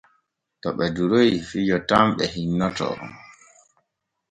To ɓe duroy fijo tan ɓe hinnantoo.